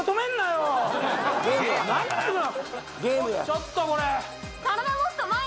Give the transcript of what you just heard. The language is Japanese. ちょっとこれ！